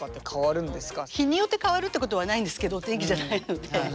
日によって変わるってことはないんですけど天気じゃないので。